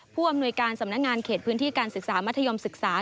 ผู้อำนวยการสำนักงานเขตพื้นที่การศึกษามัธยมศึกษา